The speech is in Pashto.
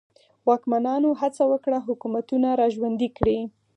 واکمنانو هڅه وکړه حکومتونه را ژوندي کړي.